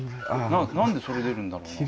何でそれ出るんだろうな？